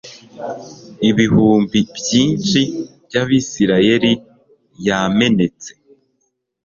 ibihumbi byinshi by'Abisiraeli yamenetse.